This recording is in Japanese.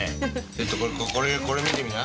ちょっとこれこれ見てみな。